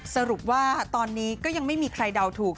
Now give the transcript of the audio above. สรุปว่าตอนนี้ก็ยังไม่มีใครเดาถูก